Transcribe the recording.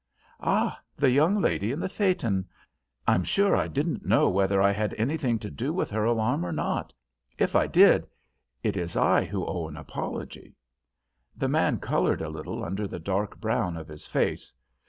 "Ah! the young lady in the phaeton? I'm sure I didn't know whether I had anything to do with her alarm or not. If I did, it is I who owe an apology." The man coloured a little under the dark brown of his face.